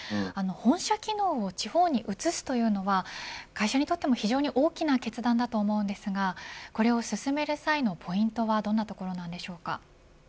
本社機能を地方に移すというのは会社にとっても非常に大きな決断だと思うんですがこれを進める際のポイントはどんなところなんでしょうか。